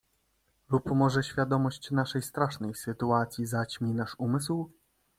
"Lub może świadomość naszej strasznej sytuacji zaćmi nasz umysł?"